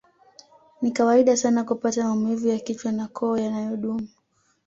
Ni kawaida sana kupata maumivu ya kichwa na koo yanayodumu